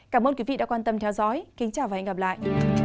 cảm ơn quý vị đã quan tâm theo dõi kính chào và hẹn gặp lại